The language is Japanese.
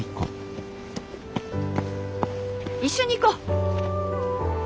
一緒に行こう。